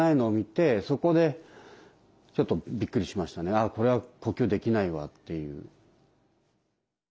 あっこれは呼吸できないわっていう。